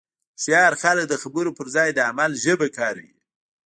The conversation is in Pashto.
هوښیار خلک د خبرو پر ځای د عمل ژبه کاروي.